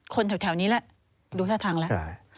คนแถวนี้แล้วดูท่าทางแล้ว